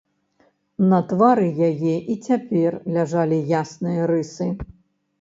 На твары яе і цяпер ляжалі ясныя рысы.